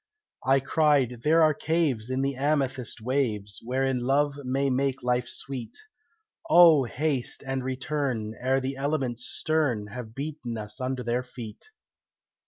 I cried, "There are caves in the amethyst waves Wherein love may make life sweet, Oh! haste and return, ere the elements stern Have beaten us under their feet."